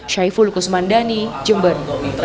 syaiful kusmandani jember